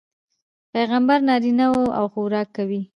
پيغمبر نارينه وي او خوراک کوي